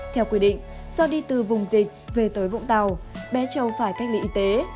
theo quy định do đi từ vùng dịch về tới vũng tàu bé châu phải cách ly y tế